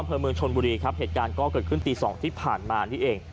อำเภอเมืองชนบุรีครับเหตุการณ์ก็เกิดขึ้นตีสองที่ผ่านมานี่เอง